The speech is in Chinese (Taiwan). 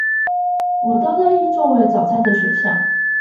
我都樂意作為早餐的選項